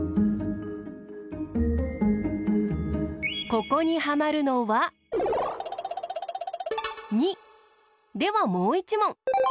ここにはまるのは２！ではもう１もん。